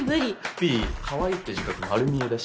ピーかわいいって自覚丸見えだし。